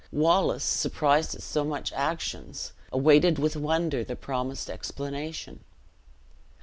Wallace, surprised at so much actions, awaited with wonder the promised explanation.